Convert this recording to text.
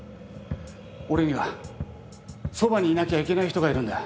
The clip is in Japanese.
俺にはそばにいなきゃいけない人がいるんだ。